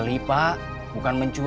bapak bisa mencoba